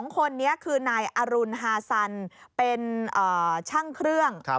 ๒คนนี้คือนายอรุณฮาซันเป็นช่างเครื่อง